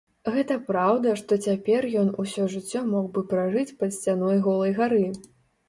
Гэта праўда, што цяпер ён усё жыццё мог бы пражыць пад сцяной голай гары.